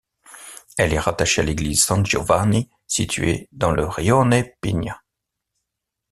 Elle est rattachée à l'église San Giovanni située dans le rione Pigna.